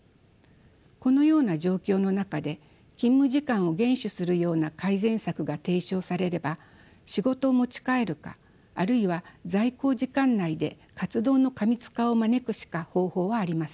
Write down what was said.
このような状況の中で勤務時間を厳守するような改善策が提唱されれば仕事を持ち帰るかあるいは在校時間内で活動の過密化を招くしか方法はありません。